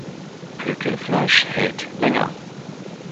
Pökelfleisch hält länger.